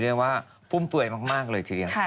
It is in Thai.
เรียกว่าฟุ่มเปื่อยมากเลยทีเดียว